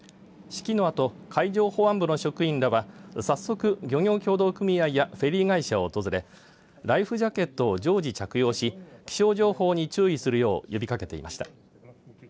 式のあと海上保安部の職員らは早速、漁業協同組合やフェリー会社を訪れライフジャケットを常時着用し気象情報に注意するよう呼びかけていました。